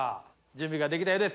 準備ができたようです。